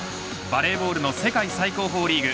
バレーボールの世界最高峰リーグ